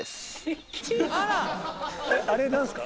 あれ何ですか？